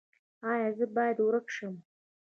ایا زه باید ورک شم؟